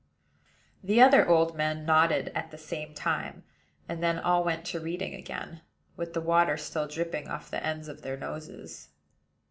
The other old men nodded at the same time; and then all went to reading again, with the water still dropping off the ends of their noses.